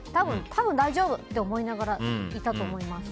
たぶん大丈夫と思いながらいたと思います。